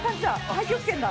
太極拳だ。